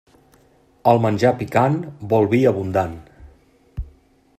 El menjar picant vol vi abundant.